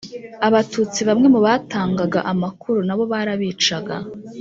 abatutsi bamwe mu batangaga amakuru nabo barabicaga